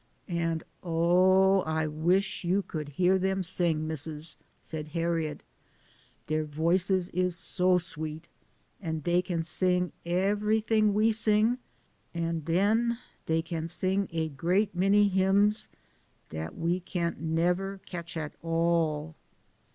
"An' oh ! I wish you could hear 'em sing, Missus," said Harriet. " Der voices is so sweet, and dey can sing eberyting we sing, an' den dey can sing a great many hymns dat we can't nebber catch at all."